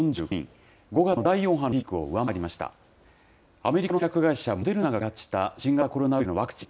アメリカの製薬会社、モデルナが開発した新型コロナウイルスのワクチン。